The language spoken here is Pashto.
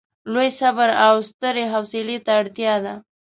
لوی صبر او سترې حوصلې ته اړتیا ده.